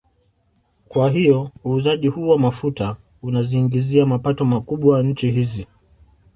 Kwa hiyo uuzaji huu wa mafuta unaziingizia mapato makubwa nchi hizi